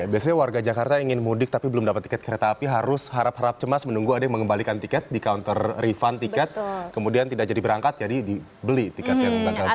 biasanya warga jakarta yang ingin mudik tapi belum dapat tiket kereta api harus harap harap cemas menunggu ada yang mengembalikan tiket di counter refund tiket kemudian tidak jadi berangkat jadi dibeli tiket yang bakal berangkat